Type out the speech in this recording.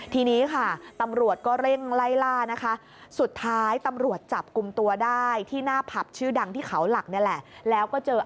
ทีนี้ค่ะตำรวจก็เร่งไล่ล่านะคะ